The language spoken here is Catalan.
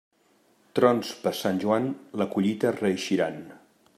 Trons per Sant Joan, la collita reeixiran.